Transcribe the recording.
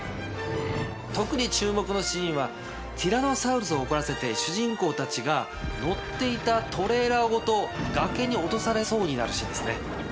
特に注目のシーンはティラノサウルスを怒らせて主人公たちが乗っていたトレーラーごと崖に落とされそうになるシーンですね。